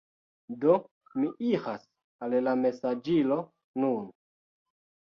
Do, mi iras al la mesaĝilo nun